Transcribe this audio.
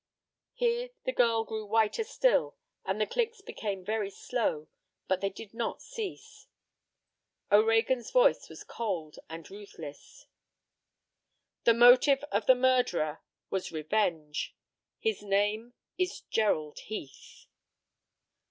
Here the girl grew whiter still, and the clicks became very slow, but they did not cease. O'Reagan's voice was cold and ruthless: "The motive of the murderer was revenge. His name is Gerald Heath."